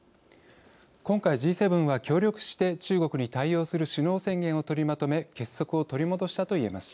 今回Ｇ７は協力して中国に対応する首脳宣言を取りまとめ結束を取り戻したといえます。